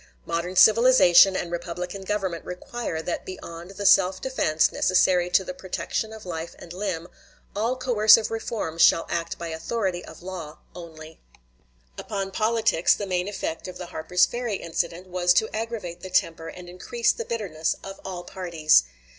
Modern civilization and republican government require that beyond the self defense necessary to the protection of life and limb, all coercive reform shall act by authority of law only. Mason Report, p. 18. Upon politics the main effect of the Harper's Ferry incident was to aggravate the temper and increase the bitterness of all parties.